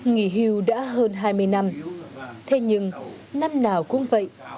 nghỉ hưu đã hơn hai mươi năm thế nhưng năm nào cũng vậy